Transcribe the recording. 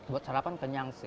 buat sarapan kenyang sih